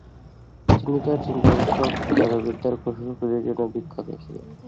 তিনি তার চিত্তাকর্ষক জাদুবিদ্যার কৌশলগুলির জন্য বিখ্যাত ছিলেন।